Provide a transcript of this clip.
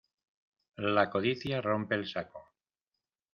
La codicia rompe el saco.